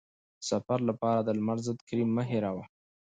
د سفر لپاره د لمر ضد کریم مه هېروه.